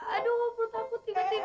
aduh put aku tiba tiba